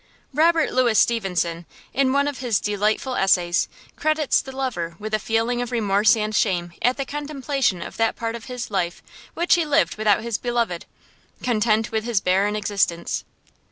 Robert Louis Stevenson, in one of his delightful essays, credits the lover with a feeling of remorse and shame at the contemplation of that part of his life which he lived without his beloved, content with his barren existence.